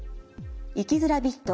生きづらびっと。